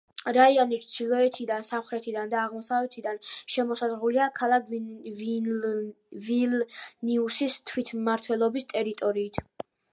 რაიონი ჩრდილოეთიდან, სამხრეთიდან და აღმოსავლეთიდან შემოსაზღვრულია ქალაქ ვილნიუსის თვითმმართველობის ტერიტორიით.